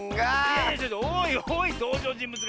いやいやおおいおおいとうじょうじんぶつが。